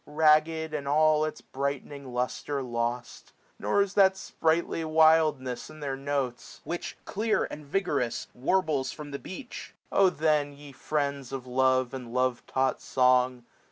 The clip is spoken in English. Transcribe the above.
Ragged, and all its brightening lustre lost ; Nor is that sprightly wildness in their notes, 705 Which, clear and vigorous, warbles from the beech* £2 a8 SPRING. Oh theiii ye friends of love and love taught song.